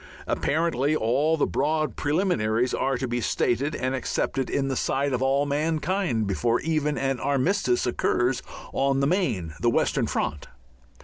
Apparently all the broad preliminaries are to be stated and accepted in the sight of all mankind before even an armistice occurs on the main, the western front.